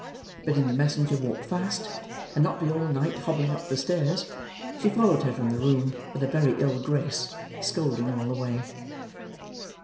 Bidding the messenger walk fast, and not be all night hobbling up the stairs, she followed her from the room with a very ill grace, scolding all the way.